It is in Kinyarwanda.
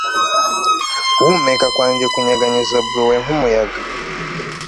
guhumeka kwanjye kunyeganyeza bluet nkumuyaga